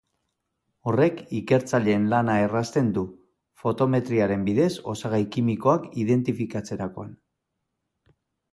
Horrek ikertzaileen lana errazten du, fotometriaren bidez osagai kimikoak identifikatzerakoan.